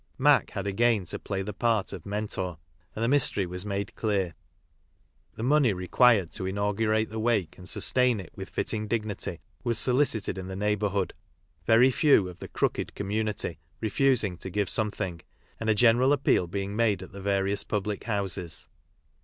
Mac had again to play the part of Mentor and the mystery was made clear. The money re FOLLOWED J \ r nil UtTKU M UKKT. quired to inaugurate the wake and su Uin it with litting dignity was solicited in the neighbourhood, very few of the "crooked" community refusing to give something, and a genera 1 appeal being nr de at the various public houses.